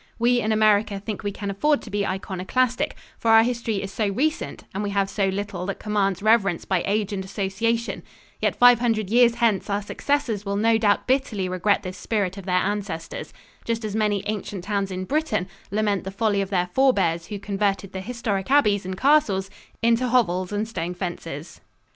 We in America think we can afford to be iconoclastic, for our history is so recent and we have so little that commands reverence by age and association; yet five hundred years hence our successors will no doubt bitterly regret this spirit of their ancestors, just as many ancient towns in Britain lament the folly of their forbears who converted the historic abbeys and castles into hovels and stone fences.